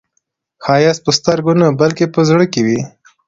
ښایست په سترګو نه، بلکې په زړه کې وي